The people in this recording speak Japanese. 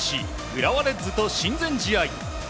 浦和レッズと親善試合。